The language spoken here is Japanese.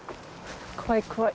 怖い怖い。